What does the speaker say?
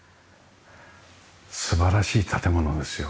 素晴らしい建物ですよね。